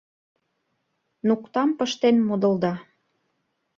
Нуктам пыштен модылда.